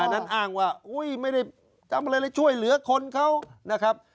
นั้นอ้างว่าอุ้ยไม่ได้ทำอะไรเลยช่วยเหลือคนเขานะครับ